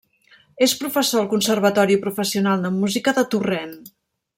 És professor al Conservatori Professional de Música de Torrent.